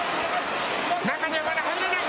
中にはまだ入れない。